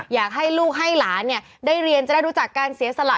อยากให้ลูกให้หลานได้เรียนจะได้รู้จักการเสียสละ